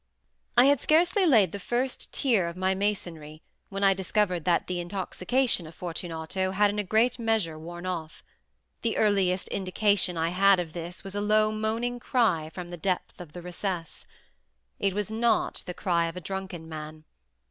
I had scarcely laid the first tier of my masonry when I discovered that the intoxication of Fortunato had in a great measure worn off. The earliest indication I had of this was a low moaning cry from the depth of the recess. It was not the cry of a drunken man.